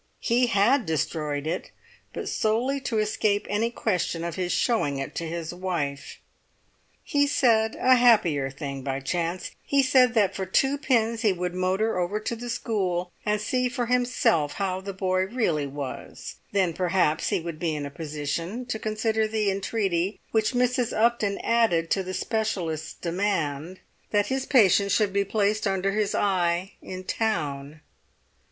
He had destroyed it, but solely to escape any question of his showing it to his wife. He said a happier thing by chance; he said that for two pins he would motor over to the school and see for himself how the boy really was; then perhaps he would be in a position to consider the entreaty which Mrs. Upton added to the specialist's demand, that his patient should be placed under his eye in town.